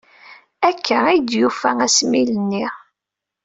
Akka ay d-yufa asmil-nni.